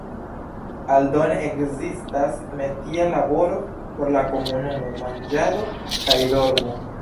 Aldone ekzistas metia laboro por la komunumo, manĝado kaj dormo.